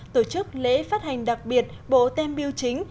tổ chức lễ phát hành đặc biệt bộ tem biêu chính